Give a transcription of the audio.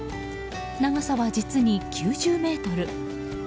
長さは実に９０ｍ。